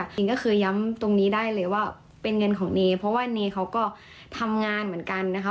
จริงก็คือย้ำตรงนี้ได้เลยว่าเป็นเงินของเนเพราะว่าเนเขาก็ทำงานเหมือนกันนะคะ